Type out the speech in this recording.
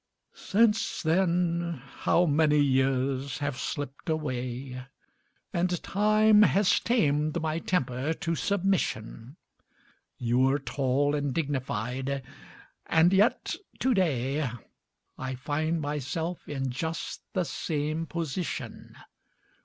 Since then how many years have slipped away ? And time has tamed my temper to submission. You're tall and dignified, and yet to day I find myself in just the same position.